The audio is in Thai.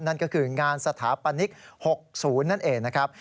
นั่นก็คืองานสถาปนิก๖๐นั่นเองนะครับ